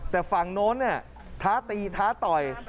แต่ฝั่งโน้นเนี่ยท้าตีท้าต่อย